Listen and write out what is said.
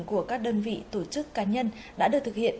của các đơn vị tổ chức cá nhân đã được thực hiện